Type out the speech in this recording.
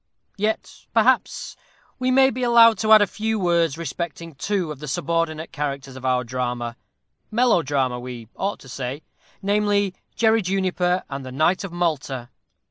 Yet, perhaps, we may be allowed to add a few words respecting two of the subordinate characters of our drama melodrama we ought to say namely Jerry Juniper and the knight of Malta.